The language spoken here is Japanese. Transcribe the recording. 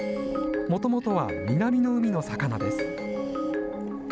もともとは南の海の魚です。